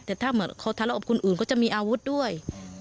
แต่ถ้าเหมือนเขาทะเลาะกับคนอื่นก็จะมีอาวุธด้วย